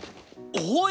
おい！